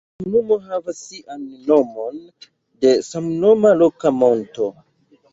La komunumo havas sian nomon de samnoma loka monto.